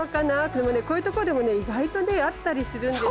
でもねこういうところでもね意外とねあったりするんですよ。